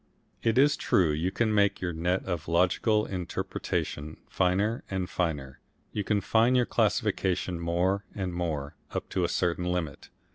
It is true you can make your net of logical interpretation finer and finer, you can fine your classification more and more up to a certain limit.